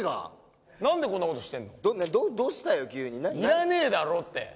いらねえだろって。